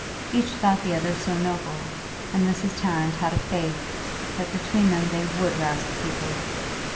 Each thought the other so noble, and Mrs. Tarrant had a faith that between them they would rouse the people.